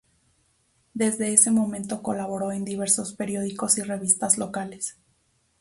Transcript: Desde ese momento colaboró en diversos periódicos y revistas locales.